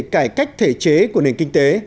cải cách thể chế của nền kinh tế